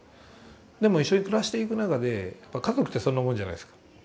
でも一緒に暮らしていく中で家族ってそんなもんじゃないですか。